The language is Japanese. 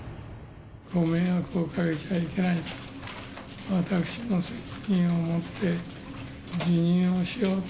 ご迷惑をかけちゃいけないと、私の責任をもって辞任をしようと。